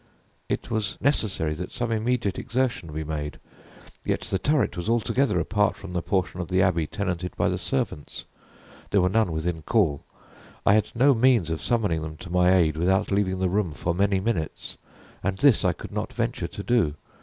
It was necessary that some immediate exertion be made; yet the turret was altogether apart from the portion of the abbey tenanted by the servants there were none within call I had no means of summoning them to my aid without leaving the room for many minutes and this I could not venture to do.